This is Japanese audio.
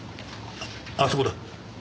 あっそこだ。